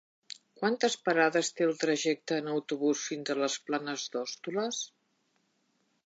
Quantes parades té el trajecte en autobús fins a les Planes d'Hostoles?